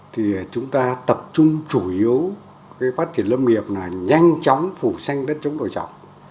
thì chúng ta tập trung chủ yếu cái phát triển lâm nghiệp là nhanh chóng phủ xanh đất chống đổ chọc